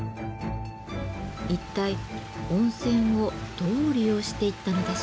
一体温泉をどう利用していったのでしょうか。